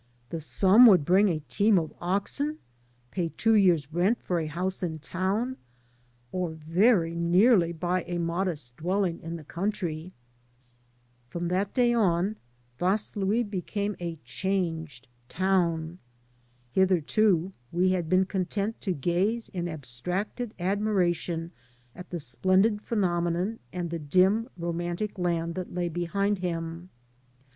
The sum would bring a team of oxen, pay two years' rent for a house in town, or very nearly buy a modest dwelling in the country. From that day on Vaslui became a changed town. Hitherto we had been content to gaze in abstracted admiration at the splendid phenomenon and the dim, romantic land that lay behind him.